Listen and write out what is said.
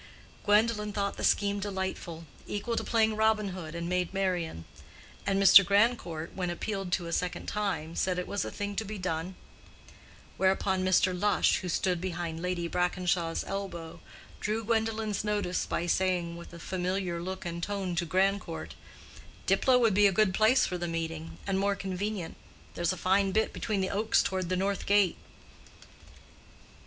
Gwendolen thought the scheme delightful—equal to playing Robin Hood and Maid Marian: and Mr. Grandcourt, when appealed to a second time, said it was a thing to be done; whereupon Mr. Lush, who stood behind Lady Brackenshaw's elbow, drew Gwendolen's notice by saying with a familiar look and tone to Grandcourt, "Diplow would be a good place for the meeting, and more convenient: there's a fine bit between the oaks toward the north gate."